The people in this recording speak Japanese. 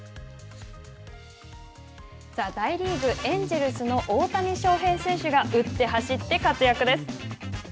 さあ、大リーグエンジェルスの大谷翔平選手が打って走って活躍です。